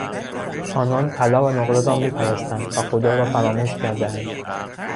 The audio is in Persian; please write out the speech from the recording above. آنان طلا و نقره را میپرستند و خدا را فراموش کردهاند.